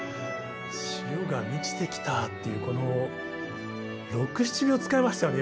「潮が満ちてきた」っていうこの６７秒使いましたよね